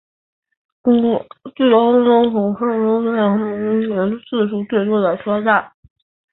是京成本线特急通过站中上下车人次最多的车站。